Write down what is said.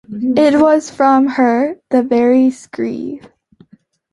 It was from her, the very screed.